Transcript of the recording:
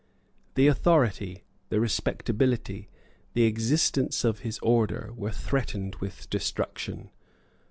The authority, the respectability, the existence of his order were threatened with destruction.